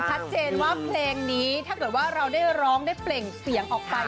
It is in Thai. ชัดเจนว่าเพลงนี้ถ้าเกิดว่าเราได้ร้องได้เปล่งเสียงออกไป